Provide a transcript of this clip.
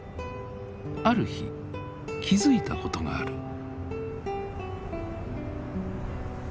ある日気付いたことがある。